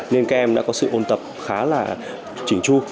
nên các em đã có sự ôn tập khá là chỉnh chu